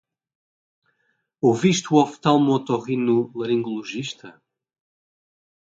Ouviste o oftalmotorrinolaringologista?